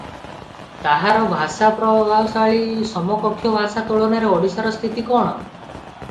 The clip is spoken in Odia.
ତାହାର ପ୍ରଭାବଶାଳୀ ସମକକ୍ଷ ଭାଷା ତୁଳନାରେ ଓଡ଼ିଆର ସ୍ଥିତି କଣ?